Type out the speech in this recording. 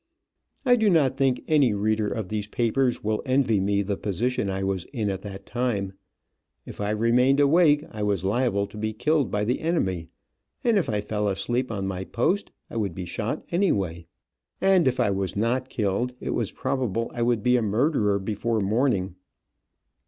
I do not think any reader of these papers will envy me the position I was in at that time. If I remained awake, I was liable to be killed by the enemy, and if I fell asleep on my post I would be shot anyway. And if I was not killed, it was probable I would be a murderer before morning.